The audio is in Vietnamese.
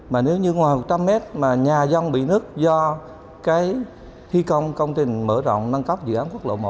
mà nếu như ngoài một trăm linh mét mà nhà dân bị nứt do cái thi công công trình mở rộng nâng cấp dự án quốc lộ một